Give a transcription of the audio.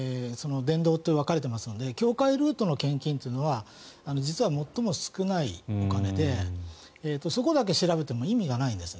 経済と伝道って分かれていますので教会ルートの献金は最も少ないお金でそこだけ調べても意味がないんです。